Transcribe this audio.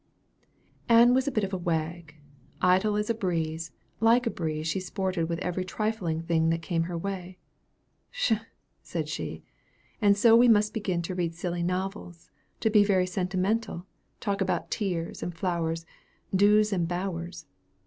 Ann was a bit of a wag. Idle as a breeze, like a breeze she sported with every trifling thing that came in her way. "Pshaw!" said she. "And so we must begin to read silly novels, be very sentimental, talk about tears and flowers, dews and bowers.